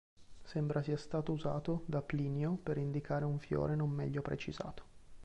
Sembra sia stato usato da Plinio per indicare un fiore non meglio precisato.